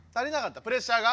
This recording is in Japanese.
プレッシャーが？